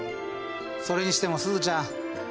それにしてもすずちゃん